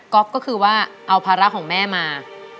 ก็คือว่าเอาภาระของแม่มา